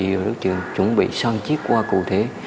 và đối tượng chuẩn bị sang chiếc qua cụ thể